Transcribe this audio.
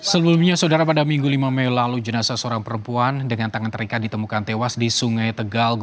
sebelumnya saudara pada minggu lima mei lalu jenazah seorang perempuan dengan tangan terikat ditemukan tewas di sungai tegal